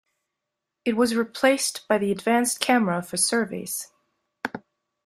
It was replaced by the Advanced Camera for Surveys.